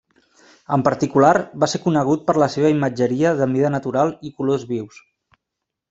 En particular, va ser conegut per la seva imatgeria de mida natural i colors vius.